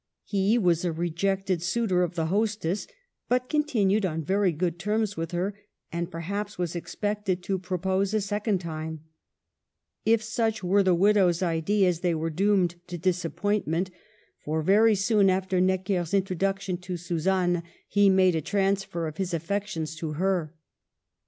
He was a rejected suitor of the hostess, but continued on very good terms with her, and perhaps was expected to propose a second time. If such were the widow's ideas, they were doomed to disappointment ; for very Digitized by VjOOQIC 8 MADAME DE STAEL. > soon after Necker's introduction to Suzanne he made a transfer of his affections to her.